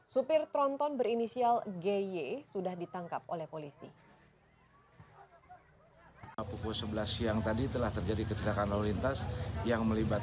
supir tronton berinisial g y sudah ditangkap oleh polisi